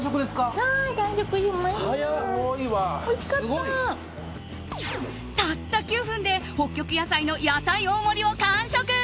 たった９分で北極やさいの野菜大盛りを完食。